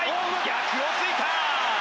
逆を突いた！